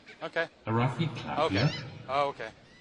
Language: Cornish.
A wrav vy klappya?